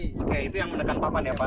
oke itu yang menekan papan ya pak